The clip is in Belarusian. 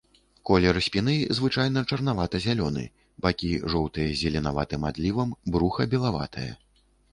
Колер спіны звычайна чарнавата-зялёны, бакі жоўтыя з зеленаватым адлівам, бруха белаватае.